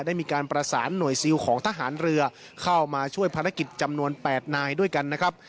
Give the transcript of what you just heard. ได้มีการประสานหน่วยซิลของทหารเรือเข้ามาช่วยภารกิจจำนวน๘นายด้วยกันนะครับ